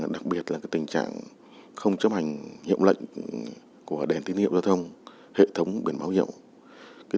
đặc biệt là tình trạng không chấp hành hiệu lệnh của đèn tín hiệu giao thông hệ thống biển báo hiệu